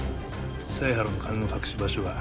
犀原の金の隠し場所は。